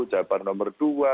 jawa tengah nomor dua